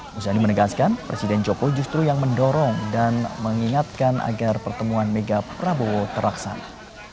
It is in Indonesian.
muzani menegaskan presiden jokowi justru yang mendorong dan mengingatkan agar pertemuan mega prabowo terlaksana